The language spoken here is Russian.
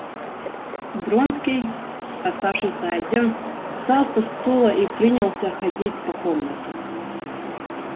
Вронский, оставшись один, встал со стула и принялся ходить по комнате.